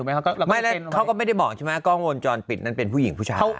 เขาก็ไม่แล้วเขาก็ไม่ได้บอกใช่ไหมกล้องวงจรปิดนั้นเป็นผู้หญิงผู้ชาย